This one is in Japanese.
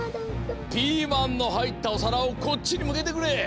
ピーマンのはいったおさらをこっちにむけてくれ。